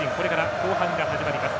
後半が始まります。